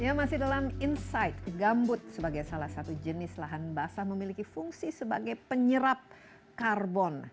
ya masih dalam insight gambut sebagai salah satu jenis lahan basah memiliki fungsi sebagai penyerap karbon